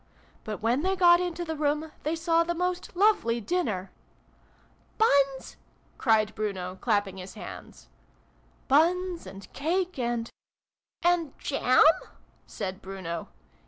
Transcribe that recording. ' But, when they got into the room, they saw the most lovely dinner !" ("Buns?" cried Bruno, clap ping his hands.) " Buns, and cake, and ("and jam ?" said Bruno.)